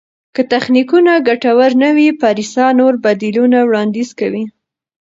که تخنیکونه ګټور نه وي، پریسا نور بدیلونه وړاندیز کوي.